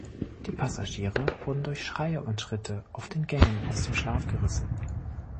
Die Passagiere wurden durch Schreie und Schritte auf den Gängen aus dem Schlaf gerissen.